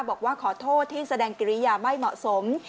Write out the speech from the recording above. บอกว่าขอโทษที่แสดงกิริยาไม่เหมาะสม